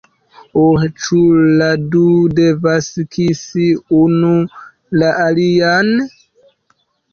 Uh... ĉu la du devas kisi unu la alian?